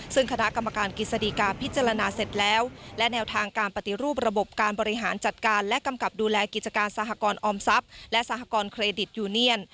ซึ่งคณะกรรมการกฤษฎีกาพิจารณาเสร็จแล้วและแนวทางการปฏิรูประบบการบริหารจัดการและกำกับดูแลกิจการสหกรออมทรัพย์และสหกรณเครดิตยูเนียน